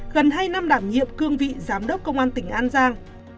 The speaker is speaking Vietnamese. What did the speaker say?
gần hai năm đảm nhiệm cương vị giám đốc công an tỉnh an giang